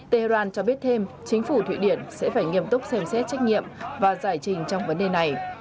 tehran cho biết thêm chính phủ thụy điển sẽ phải nghiêm túc xem xét trách nhiệm và giải trình trong vấn đề này